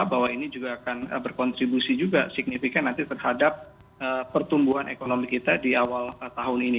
bahwa ini juga akan berkontribusi juga signifikan nanti terhadap pertumbuhan ekonomi kita di awal tahun ini